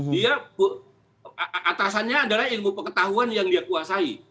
dia atasannya adalah ilmu pengetahuan yang dia kuasai